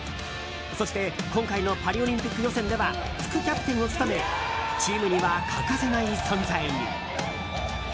そして、今回のパリオリンピック予選では副キャプテンを務めチームには欠かせない存在に。